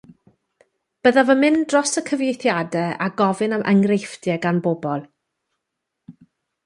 Byddaf yn mynd dros y cyfieithiadau a gofyn am enghreifftiau gan bobl.